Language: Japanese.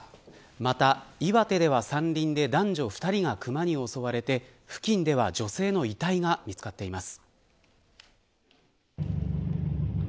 また、岩手では山林で男女２人がクマに襲われて付近では女性の遺体が見つかっています。